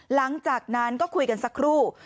หลังจากนั้นก็คุยกันสักครู่